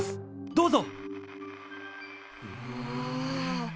どうぞ。